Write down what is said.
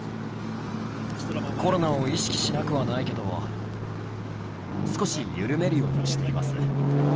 コロナを意識しなくはないけど、少し緩めるようにしています。